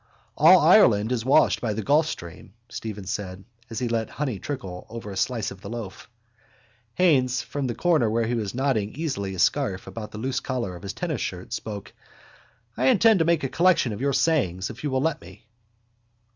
—All Ireland is washed by the gulfstream, Stephen said as he let honey trickle over a slice of the loaf. Haines from the corner where he was knotting easily a scarf about the loose collar of his tennis shirt spoke: —I intend to make a collection of your sayings if you will let me.